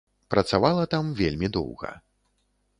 Працавала там вельмі доўга.